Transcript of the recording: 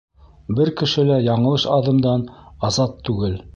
Бер кеше лә яңылыш аҙымдан азат түгел.